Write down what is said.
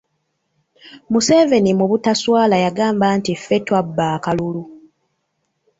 Museveni mu butaswala yagamba nti ffe twabba akalulu.